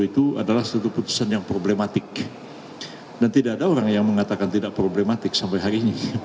itu adalah satu putusan yang problematik dan tidak ada orang yang mengatakan tidak problematik sampai hari ini